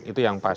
itu yang pas